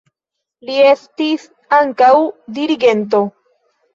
Li estis ankaŭ dirigento.